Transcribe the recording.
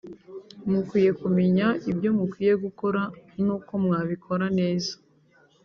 mukwiye kumenya ibyo mukwiye gukora n’uko mwabikora neza